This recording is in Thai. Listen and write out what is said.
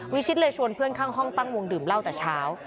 วิชิตเลยชวนเพื่อนข้างห้องตั้งวงดื่มเหล้าแต่เช้า